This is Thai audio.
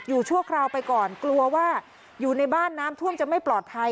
ชั่วคราวไปก่อนกลัวว่าอยู่ในบ้านน้ำท่วมจะไม่ปลอดภัย